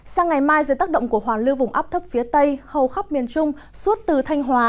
sang ngày mai dưới tác động của hoàn lưu vùng áp thấp phía tây hầu khắp miền trung suốt từ thanh hóa